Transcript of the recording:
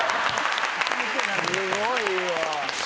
すごいわ。